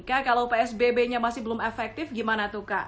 kak kalau psbb nya masih belum efektif gimana tuh kak